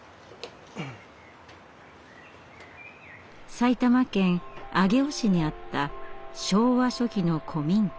埼玉県上尾市にあった昭和初期の古民家。